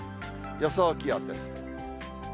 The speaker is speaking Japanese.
予想気温です。